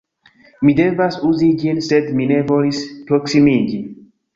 Mi devas uzi ĝin sed mi ne volis proksimiĝi